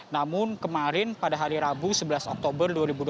namun kemarin pada hari rabu sebelas oktober dua ribu dua puluh